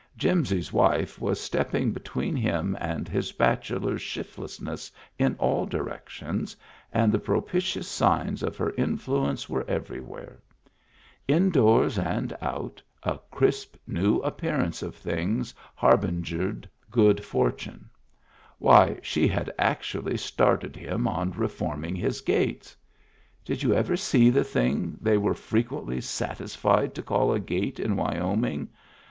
Jimsy's wife was stepping between him and his bachelor shiftlessness in all directions, and the propitious signs of her influence were everywhere. Indoors Digitized by VjOOQIC THE DRAKE WHO HAD MEANS OF HIS OWN 287 and out, a crisp, new appearance of things har bingered good fortune. Why, she had actually started him on reforming his gates! Did you ever see the thing they were frequently satisfied to call a gate in Wyoming?